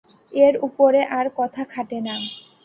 এর উপরে আর কথা খাটে না।